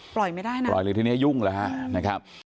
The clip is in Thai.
ปล่อยไม่ได้ทีนี้ยุ่งเหรอฮะ